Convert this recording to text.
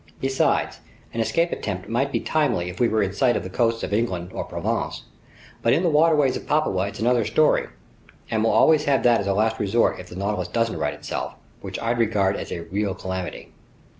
Besides, an escape attempt might be timely if we were in sight of the coasts of England or Provence, but in the waterways of Papua it's another story. And we'll always have that as a last resort if the Nautilus doesn't right itself, which I'd regard as a real calamity."